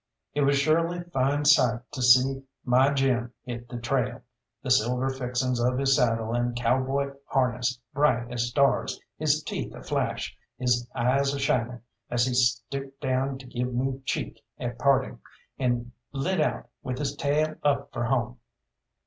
It was surely fine sight to see my Jim hit the trail, the silver fixings of his saddle and cowboy harness bright as stars, his teeth aflash, his eyes a shining, as he stooped down to give me cheek at parting, and lit out with his tail up for home.